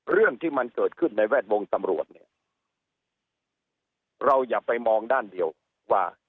เรื่องที่มันเกิดขึ้นในแวดวงตำรวจเนี่ยเราอย่าไปมองด้านเดียวว่า